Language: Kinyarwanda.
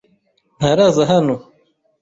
Ntaraza hano.